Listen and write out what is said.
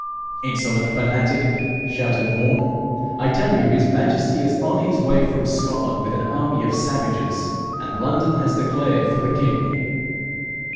'Insolent fanatic!' shouted Vaughan, 'I tell you his majesty is on his way from Scotland with an army of savages; and London has declared for the king.'